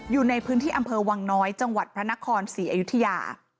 อยู่ในพื้นที่อำเภอวังน้อยจังหวัดพระนครศรีอยุธยา